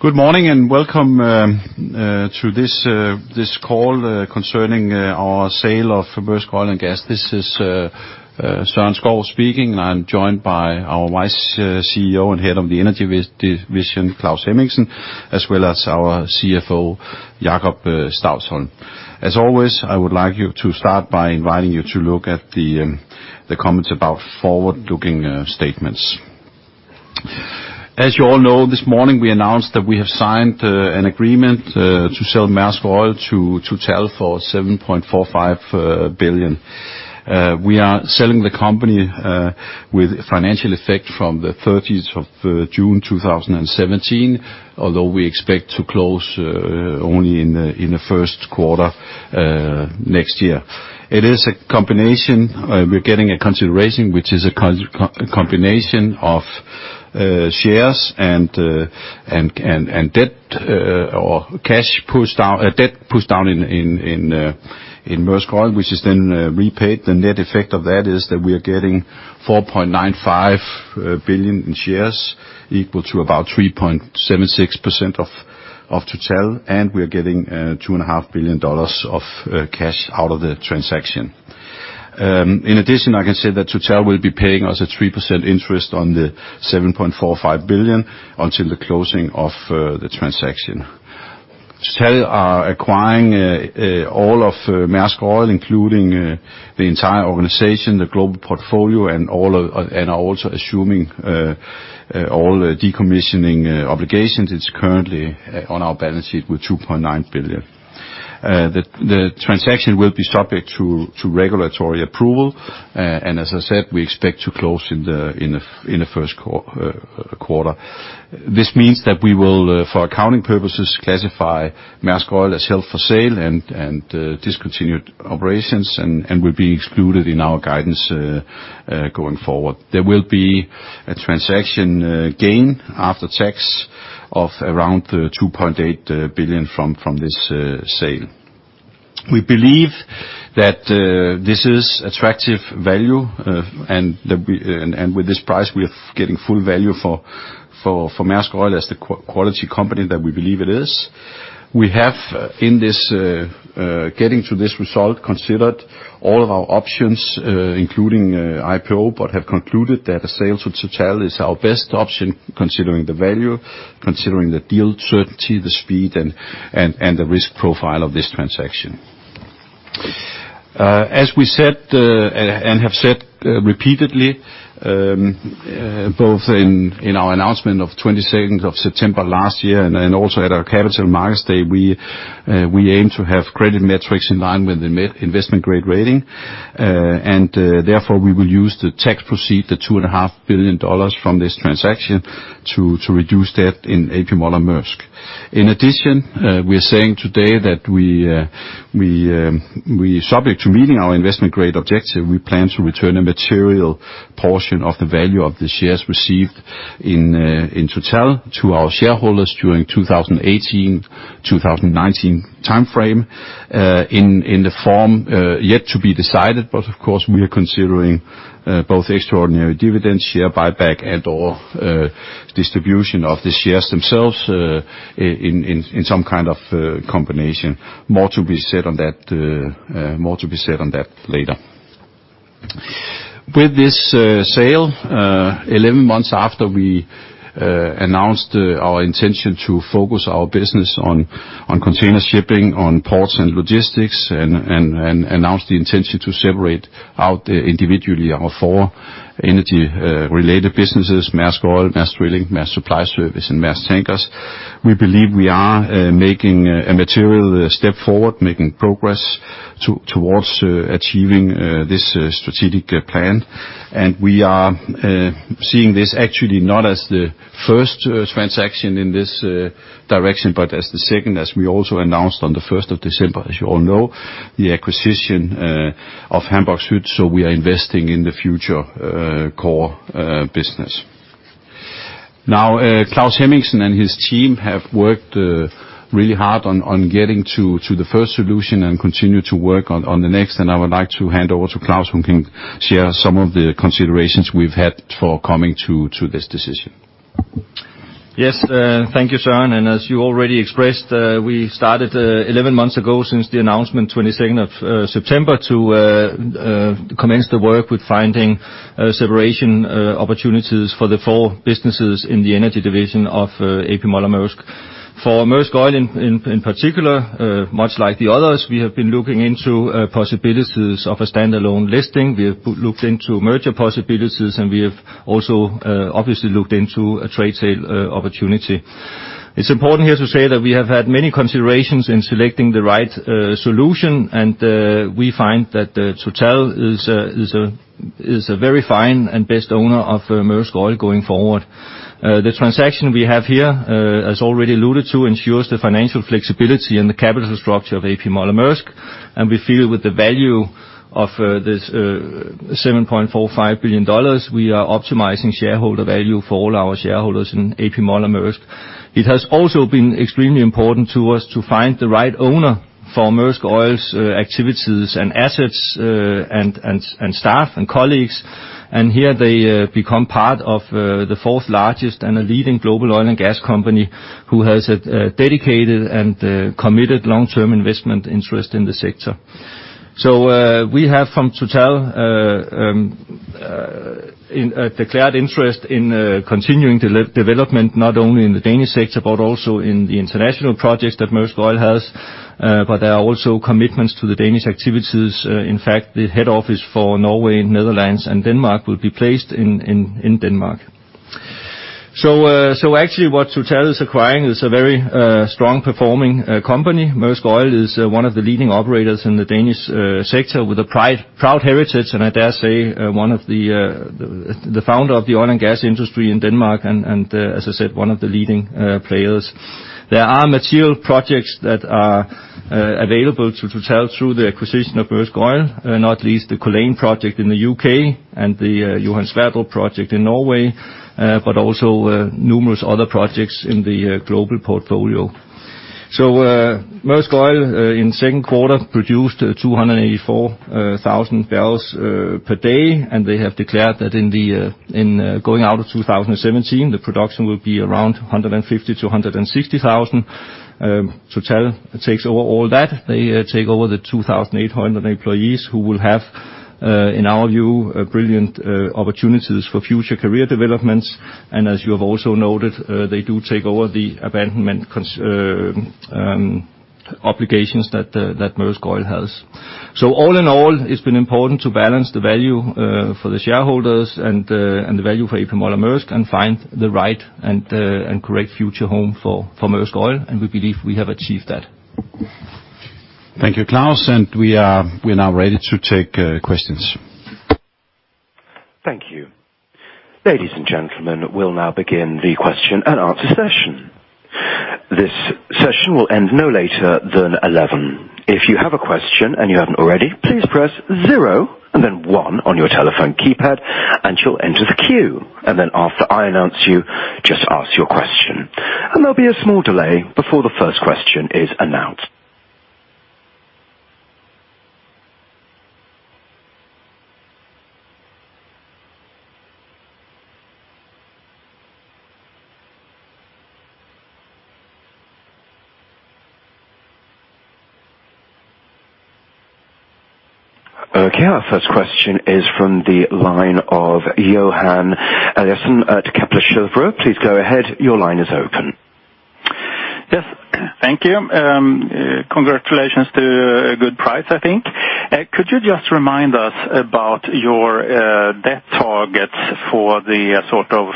Good morning, and welcome to this call concerning our sale of Maersk Oil. This is Søren Skou speaking. I'm joined by our Vice CEO and head of the energy division, Claus Hemmingsen, as well as our CFO, Jakob Stausholm. As always, I would like you to start by inviting you to look at the comments about forward-looking statements. As you all know, this morning we announced that we have signed an agreement to sell Maersk Oil to Total for $7.45 billion. We are selling the company with financial effect from the 30th of June 2017, although we expect to close only in the first quarter next year. It is a combination. We're getting a consideration, which is a combination of shares and debt or cash pushed down, debt pushed down in Maersk Oil, which is then repaid. The net effect of that is that we are getting $4.95 billion in shares, equal to about 3.76% of Total, and we are getting $2.5 billion of cash out of the transaction. In addition, I can say that Total will be paying us a 3% interest on the $7.45 billion until the closing of the transaction. Total are acquiring all of Maersk Oil, including the entire organization, the global portfolio, and also assuming all the decommissioning obligations. It's currently on our balance sheet with $2.9 billion. The transaction will be subject to regulatory approval and as I said, we expect to close in the first quarter. This means that we will for accounting purposes classify Maersk Oil as held for sale and discontinued operations and will be excluded in our guidance going forward. There will be a transaction gain after tax of around $2.8 billion from this sale. We believe that this is attractive value and with this price we are getting full value for Maersk Oil as the quality company that we believe it is. We have in getting to this result considered all of our options including IPO but have concluded that a sale to Total is our best option considering the value considering the deal certainty the speed and the risk profile of this transaction. As we said and have said repeatedly both in our announcement of the 22nd of September last year and then also at our capital markets day we aim to have credit metrics in line with investment grade rating. Therefore we will use the tax proceeds the two and a half billion dollars from this transaction to reduce debt in A.P. Moller - Maersk. In addition, we are saying today that we, subject to meeting our investment grade objective, we plan to return a material portion of the value of the shares received in Total to our shareholders during 2018-2019 timeframe, in the form yet to be decided, but of course we are considering both extraordinary dividends, share buyback, and/or distribution of the shares themselves, in some kind of combination. More to be said on that later. With this sale, 11 months after we announced our intention to focus our business on container shipping, on ports and logistics, and announced the intention to separate out individually our four energy related businesses, Maersk Oil, Maersk Drilling, Maersk Supply Service, and Maersk Tankers, we believe we are making a material step forward, making progress towards achieving this strategic plan. We are seeing this actually not as the first transaction in this direction, but as the second, as we also announced on the first of December, as you all know, the acquisition of Hamburg Süd, so we are investing in the future core business. Now, Claus Hemmingsen and his team have worked really hard on getting to the first solution and continue to work on the next, and I would like to hand over to Claus, who can share some of the considerations we've had for coming to this decision. Yes, thank you, Søren, and as you already expressed, we started 11 months ago since the announcement twenty-second of September to commence the work with finding separation opportunities for the four businesses in the energy division of A.P. Moller - Maersk. For Maersk Oil in particular, much like the others, we have been looking into possibilities of a standalone listing. We have looked into merger possibilities, and we have also obviously looked into a trade sale opportunity. It's important here to say that we have had many considerations in selecting the right solution, and we find that Total is a very fine and best owner of Maersk Oil going forward. The transaction we have here, as already alluded to, ensures the financial flexibility and the capital structure of A.P. Moller - Maersk, and we feel with the value of this $7.45 billion, we are optimizing shareholder value for all our shareholders in A.P. Moller - Maersk. It has also been extremely important to us to find the right owner for Maersk Oil's activities and assets, and staff and colleagues, and here they become part of the fourth largest and a leading global oil and gas company, who has a dedicated and a committed long-term investment interest in the sector. We have from Total a declared interest in continuing development, not only in the Danish sector but also in the international projects that Maersk Oil has. There are also commitments to the Danish activities. In fact, the head office for Norway and Netherlands and Denmark will be placed in Denmark. Actually, what Total is acquiring is a very strong performing company. Maersk Oil is one of the leading operators in the Danish sector with a proud heritage, and I dare say, one of the founder of the oil and gas industry in Denmark. As I said, one of the leading players. There are material projects that are available to Total through the acquisition of Maersk Oil, not least the Culzean project in the UK and the Johan Sverdrup project in Norway, but also numerous other projects in the global portfolio. Maersk Oil in second quarter produced 284,000 barrels per day, and they have declared that at the end of 2017, the production will be around 150,000-160,000. Total takes over all that. They take over the 2,800 employees who will have, in our view, brilliant opportunities for future career developments. As you have also noted, they do take over the abandonment obligations that Maersk Oil has. All in all, it's been important to balance the value for the shareholders and the value for A.P. Moller - Maersk and find the right and correct future home for Maersk Oil, and we believe we have achieved that. Thank you, Claus. We are now ready to take questions. Thank you. Ladies and gentlemen, we'll now begin the question and answer session. This session will end no later than 11. If you have a question and you haven't already, please press zero and then one on your telephone keypad, and you'll enter the queue. After I announce you, just ask your question. There'll be a small delay before the first question is announced. Okay, our first question is from the line of Johan Eliason at Kepler Cheuvreux. Please go ahead. Your line is open. Yes. Thank you. Congratulations to a good price, I think. Could you just remind us about your debt targets for the sort of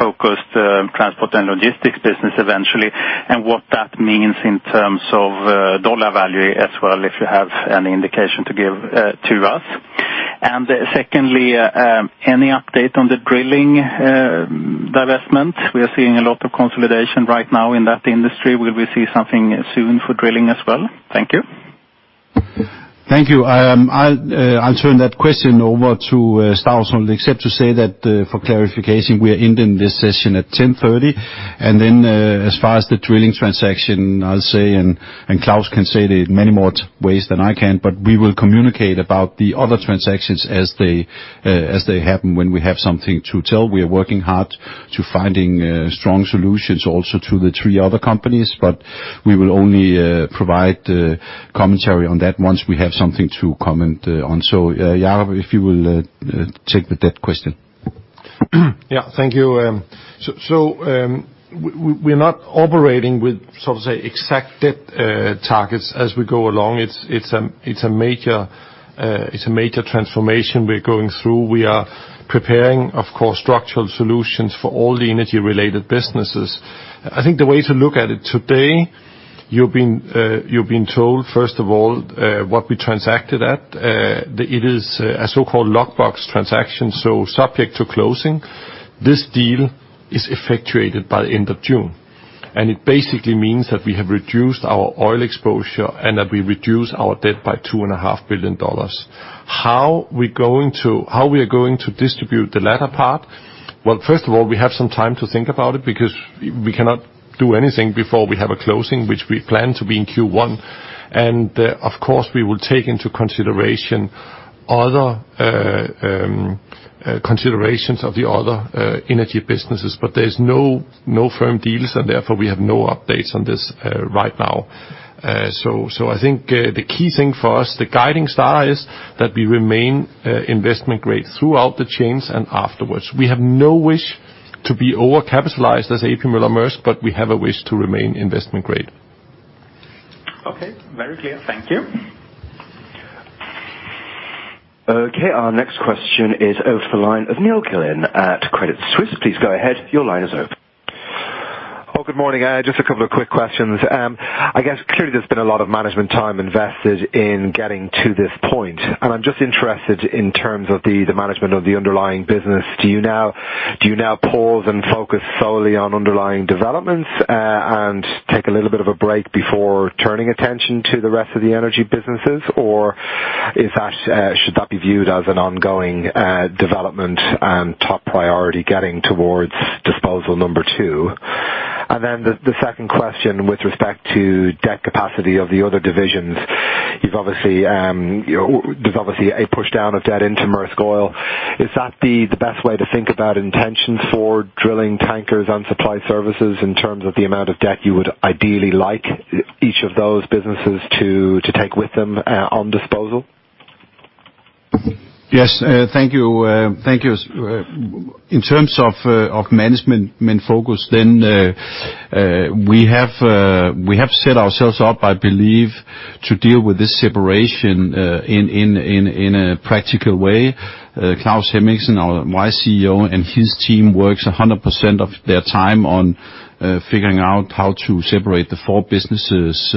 focused transport and logistics business eventually, and what that means in terms of dollar value as well, if you have any indication to give to us? Secondly, any update on the drilling divestment? We are seeing a lot of consolidation right now in that industry. Will we see something soon for drilling as well? Thank you. Thank you. I'll turn that question over to Stausholm, except to say that, for clarification, we are ending this session at 10:30. As far as the drilling transaction, I'll say, and Claus can say that in many more ways than I can, but we will communicate about the other transactions as they happen, when we have something to tell. We are working hard to finding strong solutions also to the three other companies, but we will only provide commentary on that once we have something to comment on. Johan, if you will, take the debt question. Yeah. Thank you. We're not operating with sort of, say, exact debt targets as we go along. It's a major transformation we're going through. We are preparing, of course, structural solutions for all the energy-related businesses. I think the way to look at it today, you're being told, first of all, what we transacted at. It is a so-called lockbox transaction, so subject to closing. This deal is effectuated by the end of June. It basically means that we have reduced our oil exposure and that we reduce our debt by $2.5 billion. How we are going to distribute the latter part? Well, first of all, we have some time to think about it because we cannot do anything before we have a closing, which we plan to be in Q1. Of course, we will take into consideration other considerations of the other energy businesses. There's no firm deals, and therefore, we have no updates on this right now. I think the key thing for us, the guiding star is that we remain investment grade throughout the change and afterwards. We have no wish to be overcapitalized as A.P. Moller - Maersk, but we have a wish to remain investment grade. Okay. Very clear. Thank you. Okay, our next question is over to the line of Neil Glynn at Credit Suisse. Please go ahead. Your line is open. Oh, good morning. Just a couple of quick questions. I guess clearly there's been a lot of management time invested in getting to this point, and I'm just interested in terms of the management of the underlying business. Do you now pause and focus solely on underlying developments, and take a little bit of a break before turning attention to the rest of the energy businesses? Or is that should that be viewed as an ongoing development and top priority getting towards disposal number two? The second question with respect to debt capacity of the other divisions, you've obviously, there's obviously a pushdown of debt into Maersk Oil. Is that the best way to think about intentions for Maersk Drilling, Maersk Tankers and Maersk Supply Service in terms of the amount of debt you would ideally like each of those businesses to take with them, on disposal? Yes. Thank you. In terms of of management main focus then, we have set ourselves up, I believe, to deal with this separation, in a practical way. Claus Hemmingsen, our wise CEO, and his team works 100% of their time on figuring out how to separate the four businesses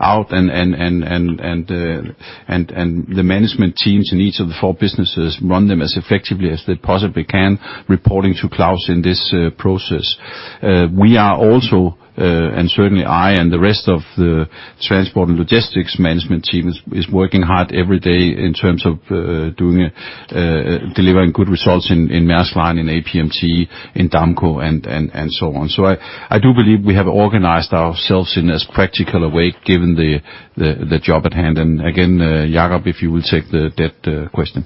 out and the management teams in each of the four businesses run them as effectively as they possibly can, reporting to Claus in this process. We are also, and certainly I and the rest of the transport and logistics management team is working hard every day in terms of delivering good results in Maersk Line, in APMT, in Damco and so on. I do believe we have organized ourselves in as practical a way given the job at hand. Again, Jakob, if you will take the debt question.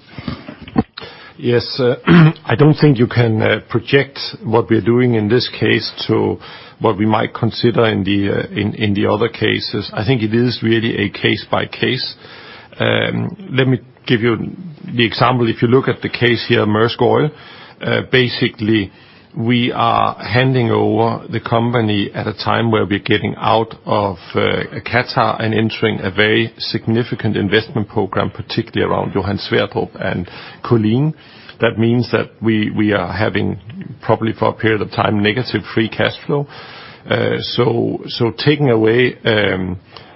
Yes. I don't think you can project what we are doing in this case to what we might consider in the other cases. I think it is really a case by case. Let me give you the example. If you look at the case here, Maersk Oil, basically we are handing over the company at a time where we are getting out of Qatar and entering a very significant investment program, particularly around Johan Sverdrup and Culzean. That means that we are having probably for a period of time, negative free cash flow. So taking away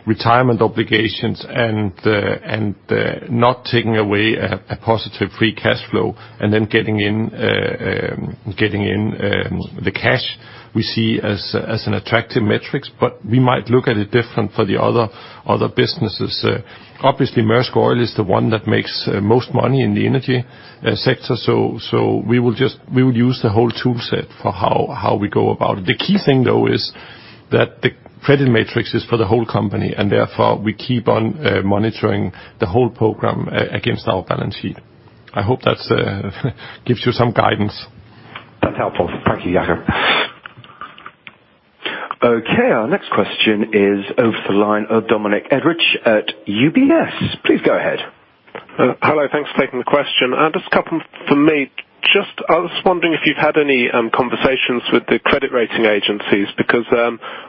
decommissioning obligations and the not taking away a positive free cash flow and then getting in the cash we see as an attractive metrics. We might look at it different for the other businesses. Obviously Maersk Oil is the one that makes most money in the energy sector. We will just use the whole tool set for how we go about it. The key thing though is that the credit metrics is for the whole company and therefore we keep on monitoring the whole program against our balance sheet. I hope that's gives you some guidance. That's helpful. Thank you, Jakob. Okay, our next question is over the line of Dominic Edridge at UBS. Please go ahead. Hello, thanks for taking the question. Just a couple from me. Just, I was wondering if you've had any conversations with the credit rating agencies because,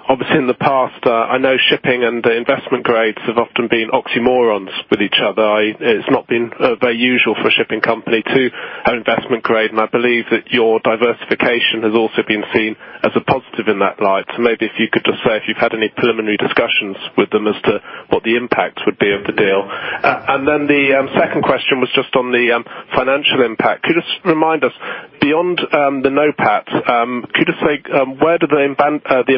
obviously in the past, I know shipping and the investment grades have often been oxymorons with each other. It's not been very usual for a shipping company to have investment grade, and I believe that your diversification has also been seen as a positive in that light. Maybe if you could just say if you've had any preliminary discussions with them as to what the impact would be of the deal. Then the second question was just on the financial impact. Could you just remind us beyond the NOPAT, could you just say where do the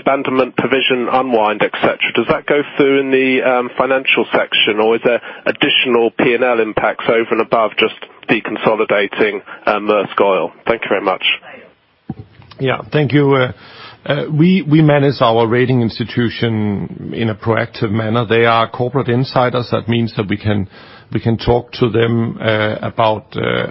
abandonment provision unwind, et cetera? Does that go through in the financial section, or is there additional P&L impacts over and above just deconsolidating Maersk Oil? Thank you very much. Yeah, thank you. We manage our rating agencies in a proactive manner. They are corporate insiders. That means that we can talk to them about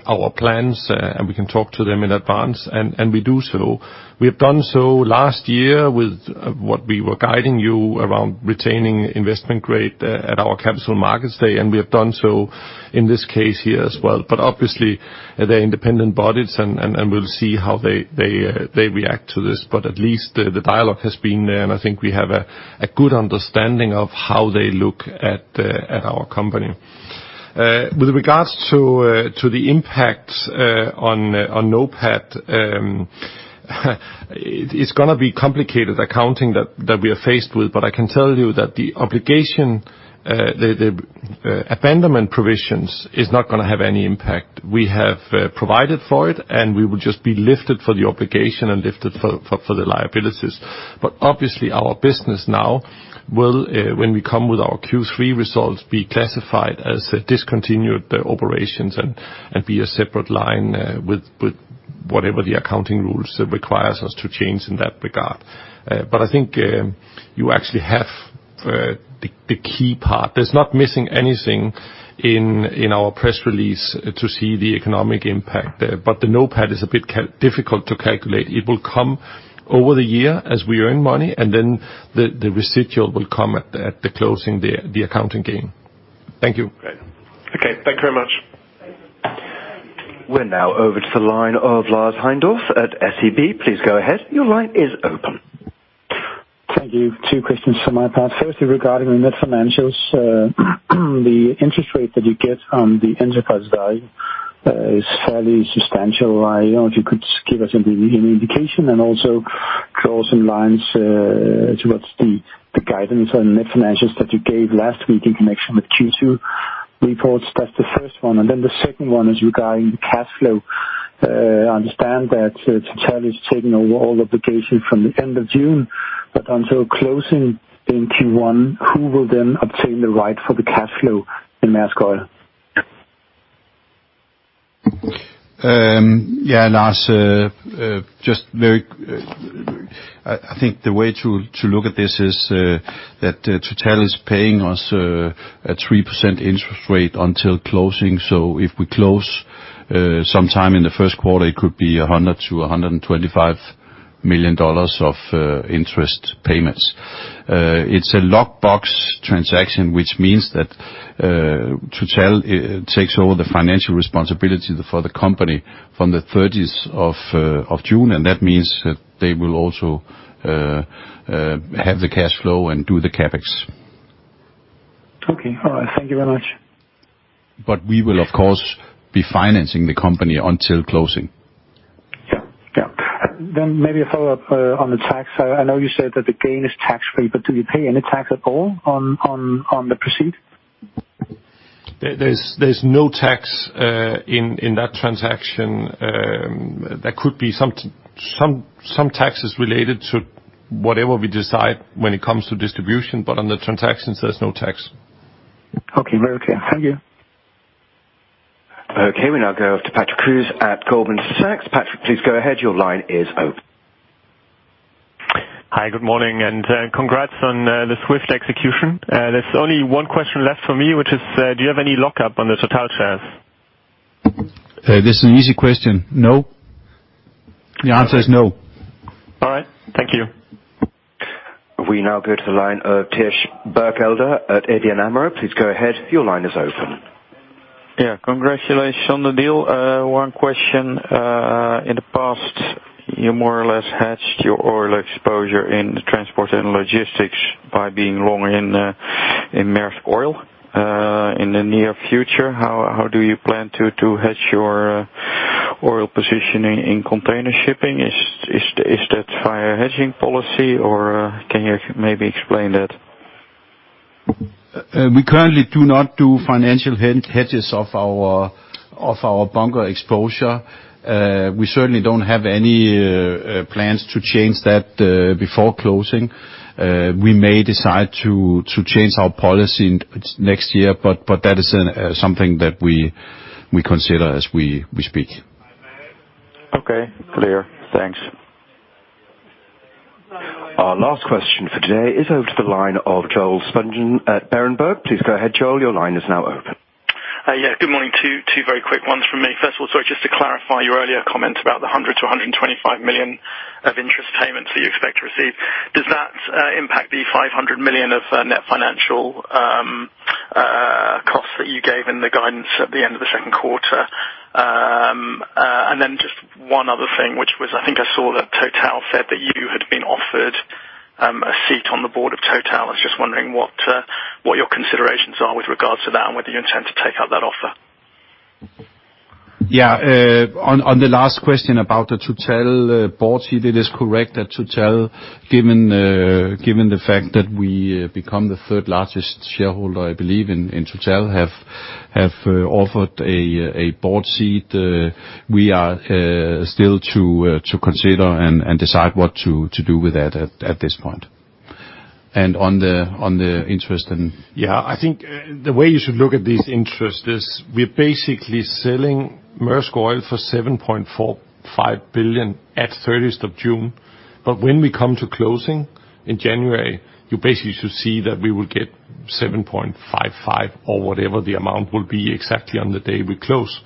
our plans, and we can talk to them in advance, and we do so. We have done so last year with what we were guiding you around retaining investment grade at our capital markets day, and we have done so in this case here as well. Obviously they're independent bodies, and we'll see how they react to this. At least the dialogue has been there, and I think we have a good understanding of how they look at our company. With regards to the impact on NOPAT, it's gonna be complicated accounting that we are faced with, but I can tell you that the obligation, the abandonment provisions is not gonna have any impact. We have provided for it, and we will just be lifted for the obligation and lifted for the liabilities. Obviously our business now will, when we come with our Q3 results, be classified as discontinued operations and be a separate line, with whatever the accounting rules that requires us to change in that regard. But I think you actually have the key part. There's nothing missing in our press release to see the economic impact there, but the NOPAT is a bit difficult to calculate. It will come over the year as we earn money, and then the residual will come at the closing, the accounting gain. Thank you. Great. Okay, thank you very much. We're now over to the line of Lars Heindorff at SEB. Please go ahead. Your line is open. Thank you. 2 questions from my part. Firstly, regarding the net financials, the interest rate that you get on the enterprise value is fairly substantial. I don't know if you could give us an indication and also draw some lines towards the guidance on net financials that you gave last week in connection with Q2 reports. That's the first one. The second one is regarding cash flow. I understand that Total is taking over all obligations from the end of June, but until closing in Q1, who will then obtain the right for the cash flow in Maersk Oil? Yeah, Lars, just very I think the way to look at this is that Total is paying us a 3% interest rate until closing. If we close sometime in the first quarter, it could be $100 million-$125 million of interest payments. It's a lockbox transaction, which means that Total takes over the financial responsibility for the company from the thirtieth of June, and that means that they will also have the cash flow and do the CapEx. Okay. All right. Thank you very much. We will of course be financing the company until closing. Yeah. Yeah. Maybe a follow-up on the tax. I know you said that the gain is tax-free, but do you pay any tax at all on the proceeds? There's no tax in that transaction. There could be some taxes related to whatever we decide when it comes to distribution, but on the transactions, there's no tax. Okay, very clear. Thank you. Okay, we now go over to Patrick Creuset at Goldman Sachs. Patrick, please go ahead. Your line is open. Hi, good morning, and congrats on the swift execution. There's only one question left for me, which is, do you have any lockup on the Total shares? That's an easy question. No. The answer is no. All right. Thank you. We now go to the line of Thijs Berkelder at ABN AMRO. Please go ahead. Your line is open. Yeah. Congratulations on the deal. One question. In the past, you more or less hedged your oil exposure in the transport and logistics by being long in Maersk Oil. In the near future, how do you plan to hedge your oil position in container shipping? Is that via hedging policy or can you maybe explain that? We currently do not do financial hedges of our bunker exposure. We certainly don't have any plans to change that before closing. We may decide to change our policy next year, but that is something that we consider as we speak. Okay. Clear. Thanks. Our last question for today is over to the line of Joel Spungin at Berenberg. Please go ahead, Joel. Your line is now open. Good morning. Two very quick ones from me. First of all, sorry, just to clarify your earlier comment about the $100 million-$125 million of interest payments that you expect to receive. Does that impact the $500 million of net financial costs that you gave in the guidance at the end of the second quarter? And then just one other thing, which was, I think I saw that Total said that you had been offered a seat on the board of Total. I was just wondering what your considerations are with regards to that and whether you intend to take up that offer. Yeah. On the last question about the Total board seat, it is correct that Total, given the fact that we become the third largest shareholder, I believe, in Total, have offered a board seat. We are still to consider and decide what to do with that at this point. On the interest and- Yeah, I think the way you should look at this interest is we're basically selling Maersk Oil for $7.45 billion at 30th of June. When we come to closing in January, you basically should see that we will get $7.55 or whatever the amount will be exactly on the day we close.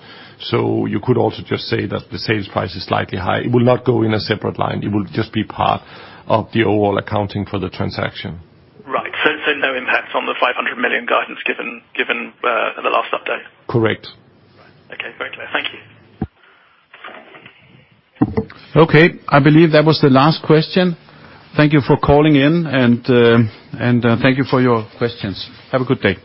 You could also just say that the sales price is slightly higher. It will not go in a separate line. It will just be part of the overall accounting for the transaction. Right. No impact on the 500 million guidance given at the last update? Correct. Okay. Very clear. Thank you. Okay. I believe that was the last question. Thank you for calling in and thank you for your questions. Have a good day.